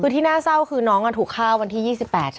คือที่น่าเศร้าคือน้องถูกฆ่าวันที่๒๘ใช่ไหม